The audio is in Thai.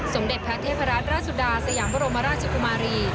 สมเด็จพระเทพรัตนราชสุดาสยามบรมราชกุมารี